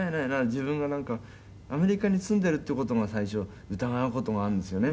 「自分がなんかアメリカに住んでいるっていう事が最初疑う事があるんですよね」